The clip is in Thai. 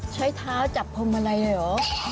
ใช้เท้าจับพรหมะไรเลยเหรอ